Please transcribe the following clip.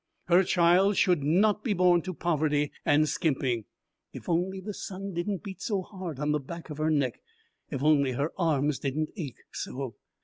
Her child should not be born to poverty and skimping. If only the sun didn't beat so hard on the back of her neck! If only her arms didn't ache so!